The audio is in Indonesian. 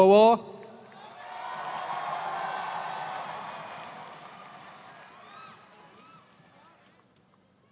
tenang saja pak prabowo